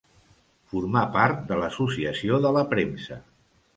Formà part de l’Associació de la Premsa.